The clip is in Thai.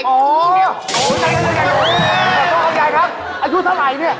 ขอโทษครับคุณยายครับอายุเท่าไรรึเมีย